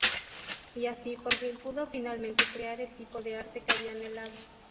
Y así Por fin, pudo finalmente crear el tipo de arte que había anhelado.